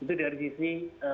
itu dari sisi